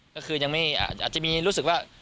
ก็คือยังไม่อาจจะมีรู้สึกว่า